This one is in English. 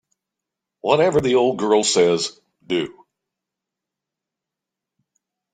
Whatever the old girl says, do.